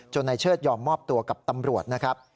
นายเชิดยอมมอบตัวกับตำรวจนะครับ